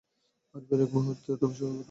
পারিবারিক মূহুর্তে তুমি স্বাগত।